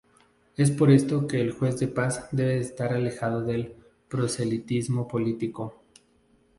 Es por esto que el juez de paz debe estar alejado del proselitismo político.